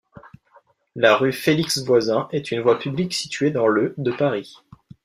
La rue Félix-Voisin est une voie publique située dans le de Paris.